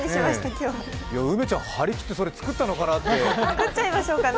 梅ちゃん張り切ってそれ作ったのかなって。